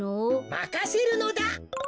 まかせるのだ。